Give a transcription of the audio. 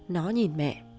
nó nhìn mẹ